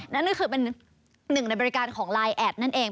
นั่นก็คือเป็นหนึ่งในบริการของไลน์แอดนั่นเอง